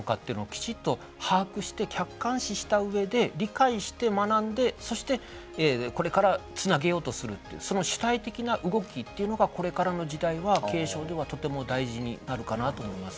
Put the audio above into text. きちっと把握して客観視した上で理解して学んでそしてこれからつなげようとするというその主体的な動きっていうのがこれからの時代は継承ではとても大事になるかなと思います。